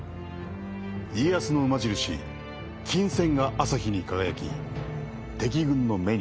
家康の馬印金扇が朝日に輝き敵軍の目に留まった。